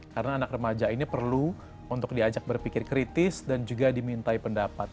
karena anak remaja ini perlu untuk diajak berpikir kritis dan juga dimintai pendapat